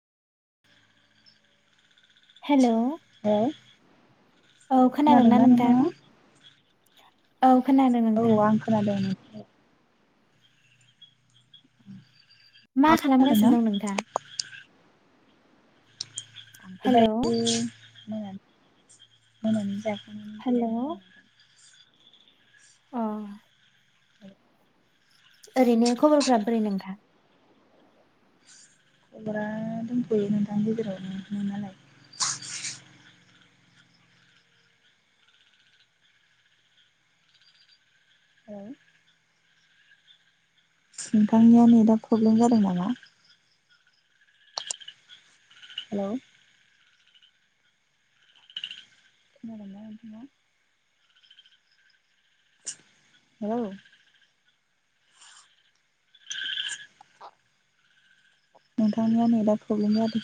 Hello hello औ खोनादों ना खोनादोंना नोंथाङा नोंथां? औ खोनादों औ नोंथां आं खोनादों नों औ मा नोंथाङा खोनादोंना खालामगासिनो दं नोंथां? आंथ बाय हेलौ [inaudible] मोन मोनानि जा खांनानै हेलौ जिरायना दं नोंथां। अ आरो ओरैनो खबरफ्रा बोरै नोंथां खबरा दंथयो नोंथां गेजेरावनो नोंनालाय औ नोंथांनिया नै दा प्रब्लेम जादों नामा हेलौ खोनादों ना नोंथाङा हेलौ नोंथांनिया माबा प्रब्लेम जादों